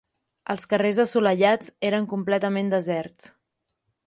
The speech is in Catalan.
Els carrers assolellats eren completament deserts